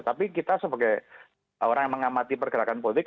tapi kita sebagai orang yang mengamati pergerakan politik